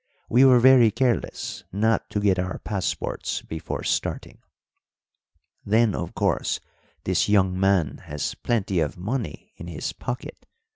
We were very careless not to get our passports before starting." "Then, of course, this young man has plenty of money in his pocket?"